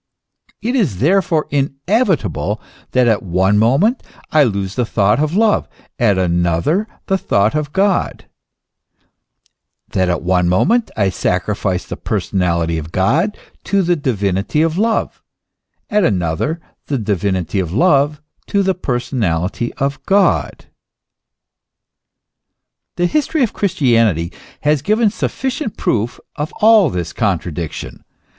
It is therefore inevitable that at one moment I lose the thought of love, at another the thought of God, that at one moment I sacrifice the personality of God to the divinity of love, at another the divinity of love to the personality of God. The history of Christianity has given sufficient proof of this contradiction.